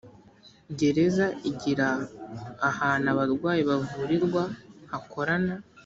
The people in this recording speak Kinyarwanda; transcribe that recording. gereza igira ahantu abarwayi bavurirwa hakorana